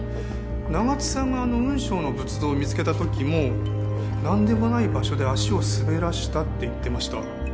長津さんがあの雲尚の仏像を見つけた時もなんでもない場所で足を滑らしたって言ってました。